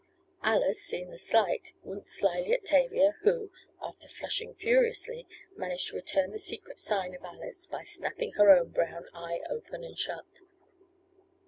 Alice, seeing the slight, winked slyly at Tavia, who, after flushing furiously, managed to return the secret sign of Alice by snapping her own brown eye open and shut.